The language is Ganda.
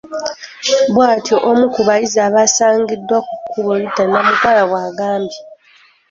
Bw’atyo omu ku bayizi abasangiddwa ku kkubo Ritah Namukwaya bw’agambye.